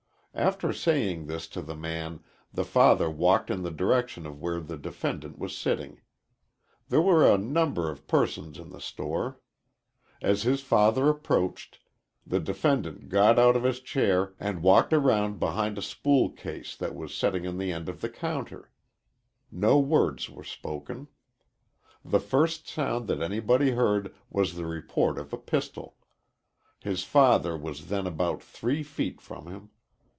After saying this to the man the father walked in the direction of where the defendant was sitting. There were a number of persons in the store. As his father approached, the defendant got out of his chair and walked around behind a spool case that was setting on the end of the counter. No words were spoken. The first sound that anybody heard was the report of a pistol. His father was then about three feet from him.